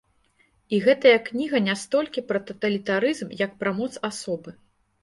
І гэтая кніга не столькі пра таталітарызм, як пра моц асобы.